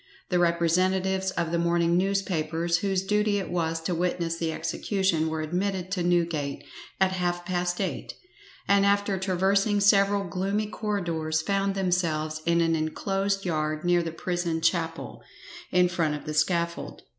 The representatives of the morning newspapers whose duty it was to witness the execution were admitted to Newgate at half past eight, and after traversing several gloomy corridors found themselves in an inclosed yard near the prison chapel, in front of the scaffold.